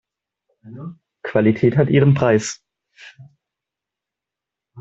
Qualität hat ihren Preis.